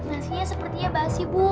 nasinya sepertinya basi bu